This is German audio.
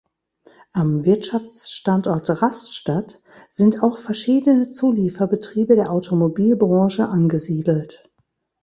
Am Wirtschaftsstandort Rastatt sind auch verschiedene Zulieferbetriebe der Automobilbranche angesiedelt.